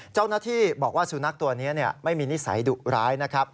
เจ้าหน้าที่บอกว่าสุนัขตัวนี้ไม่มีนิสัยดุร้ายนะครับ